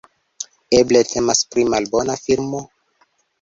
Eble temas pri malbona filmo?